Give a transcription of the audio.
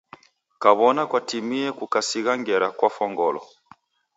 Kaw'ona kwatimie kukasigha ngera kofwa ngolo.